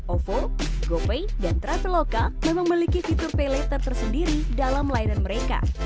ovo gopay dan traveloka memang memiliki fitur pay later tersendiri dalam layanan mereka